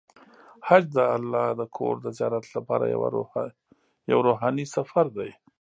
حج د الله د کور د زیارت لپاره یو روحاني سفر دی.